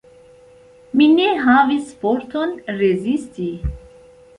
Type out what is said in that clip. Mi ne havis forton rezisti.